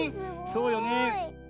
そうよね。